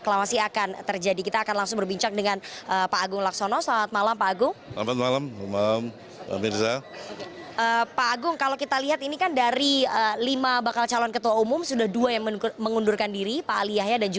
rekan syarifana pratewi telah mewawancarai agung naksono beberapa waktu yang lalu dan informasi ini sekaligus penutup perjumpaan kita di layar demokrasi malam hari ini